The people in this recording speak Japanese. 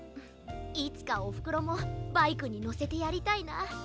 いつかおふくろもバイクにのせてやりたいな。